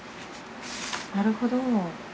なるほど。